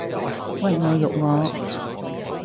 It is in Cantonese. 屈我辱我